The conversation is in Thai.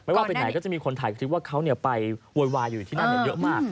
ว่าไปไหนก็จะมีคนถ่ายคลิปว่าเขาไปโวยวายอยู่ที่นั่นเยอะมาก